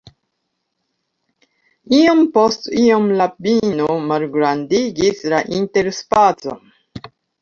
Iom post iom, la vino malgrandigis la interspacon.